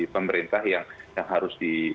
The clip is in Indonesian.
pemerintah yang harus di